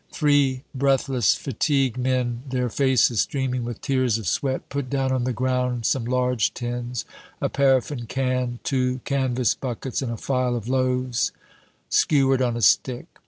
Three breathless fatigue men, their faces streaming with tears of sweat, put down on the ground some large tins, a paraffin can, two canvas buckets, and a file of loaves, skewered on a stick.